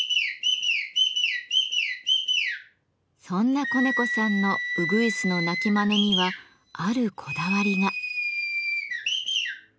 そんな小猫さんのうぐいすの鳴きまねにはあるこだわりが。